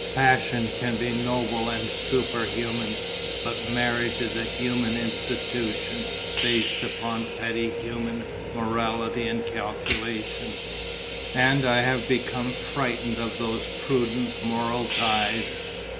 Passion can be noble and superhuman, but marriage is a human institution based upon our petty human morality and calculation. And I have become frightened of those prudent moral ties.